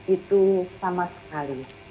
itu sama sekali